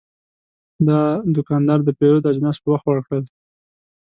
دا دوکاندار د پیرود اجناس په وخت ورکړل.